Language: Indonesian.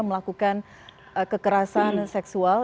melakukan kekerasan seksual